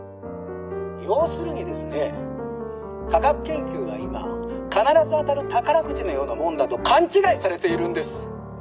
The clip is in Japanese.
「要するにですね科学研究は今必ず当たる宝くじのようなものだと勘違いされているんです。